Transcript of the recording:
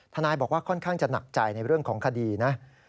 นายบอกว่าค่อนข้างจะหนักใจในเรื่องของคดีนะ